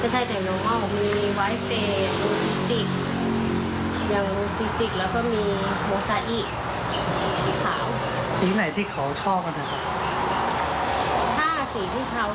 สวยเลยอ่ะนี่ลูกคิดสีขาว